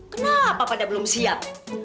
kenapa pada belum siap